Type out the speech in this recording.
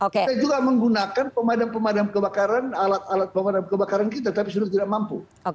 kita juga menggunakan pemadam pemadam kebakaran alat alat pemadam kebakaran kita tapi sudah tidak mampu